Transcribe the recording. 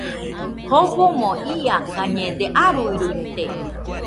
Jofomo iakañede, aruiruite